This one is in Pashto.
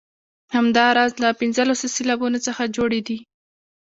همداراز له پنځلسو سېلابونو څخه جوړې دي.